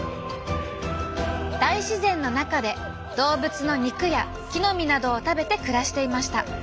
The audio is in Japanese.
大自然の中で動物の肉や木の実などを食べて暮らしていました。